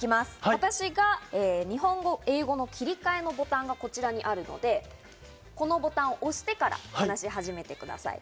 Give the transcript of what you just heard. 私が日本語、英語の切り替えのボタンが、こちらにあるので、このボタンを押してから話し始めてください。